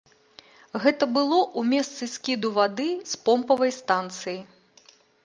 Гэта было ў месцы скіду вады з помпавай станцыі.